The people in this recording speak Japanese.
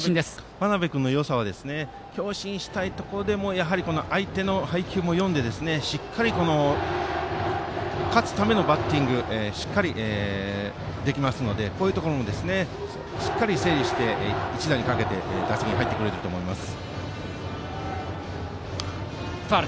真鍋君のよさは強振したいところでも相手の配球を読んで勝つためのバッティングがしっかりできますのでこういうところもしっかり整理して、一打にかけて打席に入っていると思います。